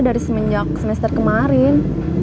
dari semenjak semester kemarin